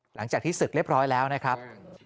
หลังจากที่ศึกเรียบร้อยแล้วนะครับ